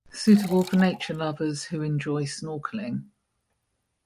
Suitable for nature lovers who enjoy snorkeling.